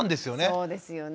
そうですよね。